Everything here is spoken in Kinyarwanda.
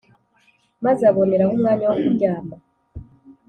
maze aboneraho umwanya wo kuryama,